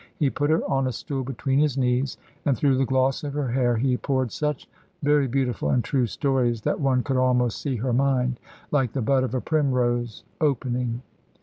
He put her on a stool between his knees, and through the gloss of her hair he poured such very beautiful and true stories, that one could almost see her mind (like the bud of a primrose) opening.